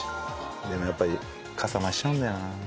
でもやっぱりかさ増ししちゃうんだよな。